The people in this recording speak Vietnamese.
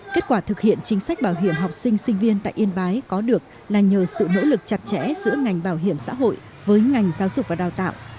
kết quả thực hiện chính sách bảo hiểm học sinh sinh viên tại yên bái có được là nhờ sự nỗ lực chặt chẽ giữa ngành bảo hiểm xã hội với ngành giáo dục và đào tạo